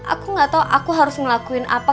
aku gak tau aku harus ngelakuin apa